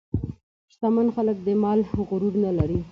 شتمن خلک د مال غرور نه لري.